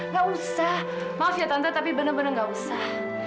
gak usah maaf ya tante tapi bener bener gak usah